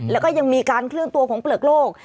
แล้วก็ยังมีการเคลื่อนตัวของเปลือกโลก